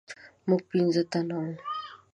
موږ پنځه تنه وو.